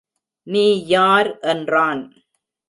நீ யார் என்றான்.